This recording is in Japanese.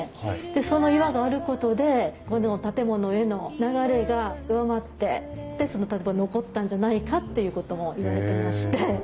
でその岩があることでこの建物への流れが弱まってで残ったんじゃないかっていうこともいわれてまして。